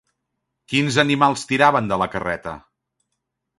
Quins animals tiraven de la carreta?